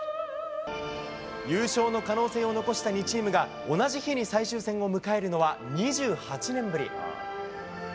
優勝の可能性を残した２チームが、同じ日に最終戦を迎えるのは、２８年ぶり。